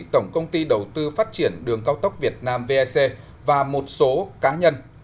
tổng công ty đầu tư phát triển đường cao tốc việt nam vec và một số cá nhân